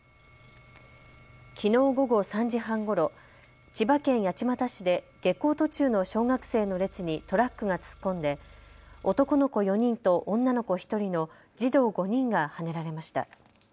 きのう午後３時半ごろ、千葉県八街市で下校途中の小学生の列にトラックが突っ込んで男の子４人と女の子１人の児童５人がはねられました。